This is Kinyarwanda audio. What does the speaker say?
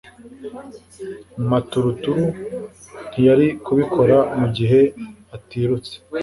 Maturuturu ntiyari kubikora mugihe atirutse